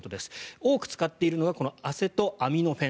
多く使っているのがこのアセトアミノフェン。